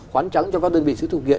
khoán trắng cho các đơn vị sự thực hiện